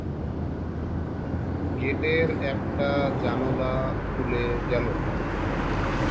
গেটের একটা জানােলা খুলে গেল!